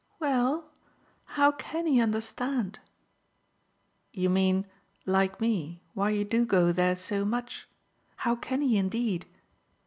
"Well, how can he understand?" "You mean, like me, why you do go there so much? How can he indeed?"